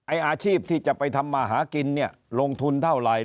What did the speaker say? อาชีพที่จะไปทำมาหากินเนี่ยลงทุนเท่าไหร่